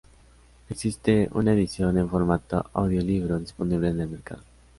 Existe una edición en formato audiolibro disponible en el mercado.